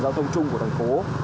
giao thông chung của thành phố